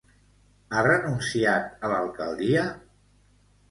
Ha renunciat a l'alcaldia?